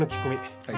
はい。